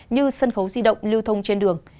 như sân khấu di động lưu thông trên đường